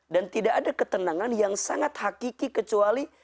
dan tidak ada ketenangan yang sangat hakiki kecuali